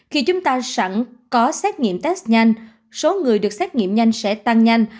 khi chúng ta sẵn có xét nghiệm test nhanh số người được xét nghiệm nhanh sẽ tăng nhanh